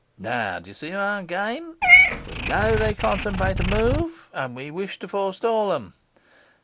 Now do you see our game? We know they contemplate a move; and we wish to forestall 'em.